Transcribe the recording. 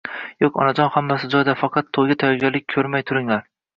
Yo`q onajon, hammasi joyida, faqat to`yga tayyorgarlik ko`rmay turinglar